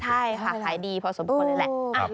ใช่ขายดีพอสมควรนั่นแหละ